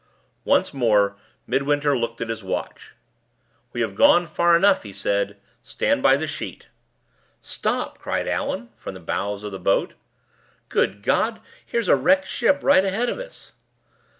Once more Midwinter looked at his watch. "We have gone far enough," he said. "Stand by the sheet!" "Stop!" cried Allan, from the bows of the boat. "Good God! here's a wrecked ship right ahead of us!"